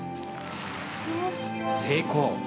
成功。